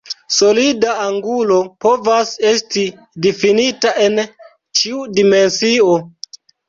Solida angulo povas esti difinita en ĉiu dimensio.